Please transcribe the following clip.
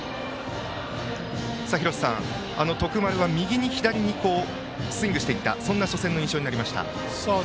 廣瀬さん、徳丸は右に左にスイングしていったそんな初戦の印象になりました。